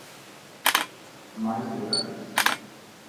Máis detalles.